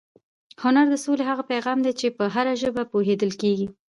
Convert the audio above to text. هنر د سولې هغه پیغام دی چې په هره ژبه پوهېدل کېږي.